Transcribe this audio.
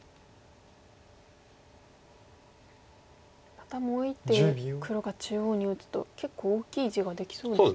またもう一手黒が中央に打つと結構大きい地ができそうですね。